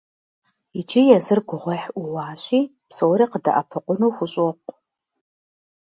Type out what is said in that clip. Иджы езыр гугъуехь Ӏууащи, псори къыдэӀэпыкъуну хущӀокъу.